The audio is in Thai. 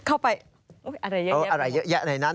เข้าไปพูดว่าอะไรเยอะมาก